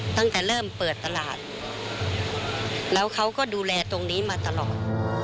ตั้งแต่เริ่มเปิดตลาดแล้วเขาก็ดูแลตรงนี้มาตลอด